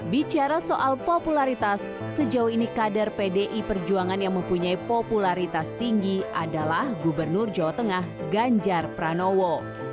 bicara soal popularitas sejauh ini kader pdi perjuangan yang mempunyai popularitas tinggi adalah gubernur jawa tengah ganjar pranowo